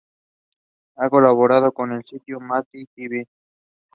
The business is the oldest concession stand at the state fair.